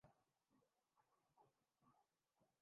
وزیراعلی سندھ نے Dhabeji special economic zone کی منظوری دیدی